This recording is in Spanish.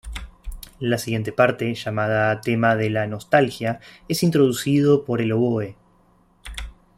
La siguiente parte, llamada, tema de la "Nostalgia", es introducido por el oboe.